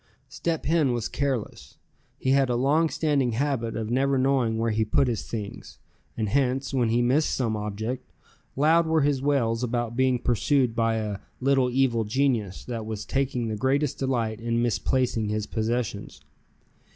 Step Hen was careless. He had a long standing habit of never knowing where he put his things, and hence, when he missed some object, loud were his wails about being pursued by a "little evil genius," that was taking the greatest delight in misplacing his possessions.